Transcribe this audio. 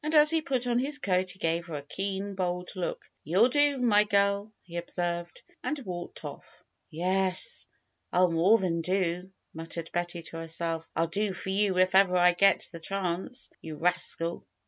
As he put on his coat he gave her a keen, bold look. "YouTl do, my girl he observed, and walked off. "Yes. ril more than do muttered Betty to her self. "I'll do for you if ever I get the chance ! You rascal